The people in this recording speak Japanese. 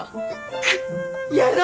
くっやるな！